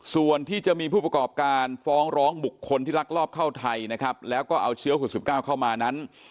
ส่วนที่จะมีผู้ประกอบการฟ้องร้องบุคคลที่ลักลอบเข้าไทยนะครับแล้วก็เอาเชื้อขุด๑๙เข้ามานั้น